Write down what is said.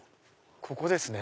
ここですね。